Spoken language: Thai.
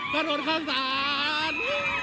กระโดดข้างสาร